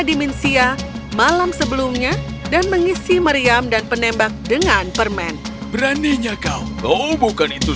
dimensia malam sebelumnya dan mengisi meriam dan penembak dengan permen beraninya kau bukan itu